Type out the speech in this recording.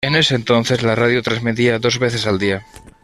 En ese entonces, la radio transmitía dos veces al día.